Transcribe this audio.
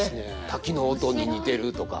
滝の音に似てるとか。